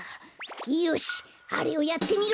よしあれをやってみるか！